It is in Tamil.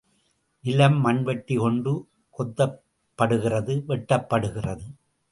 நிலம் மண்வெட்டி கொண்டு கொத்தப் படுகிறது வெட்டப்படுகிறது.